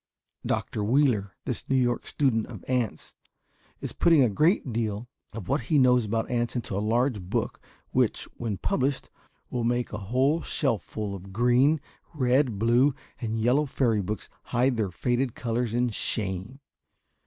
Dr. Wheeler, this New York student of ants, is putting a great deal of what he knows about ants into a large book which, when published, will make a whole shelfful of green, red, blue, and yellow fairy books hide their faded colors in shame.